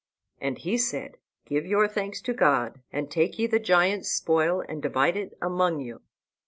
And he said, "Give your thanks to God; and take ye the giant's spoil and divide it among you."